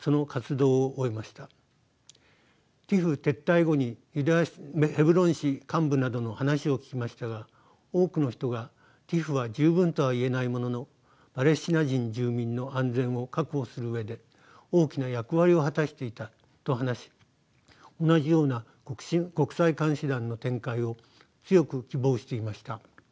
撤退後にヘブロン市幹部などの話を聞きましたが多くの人がＴＩＰＨは十分とは言えないもののパレスチナ人住民の安全を確保する上で大きな役割を果たしていたと話し同じような国際監視団の展開を強く希望していました。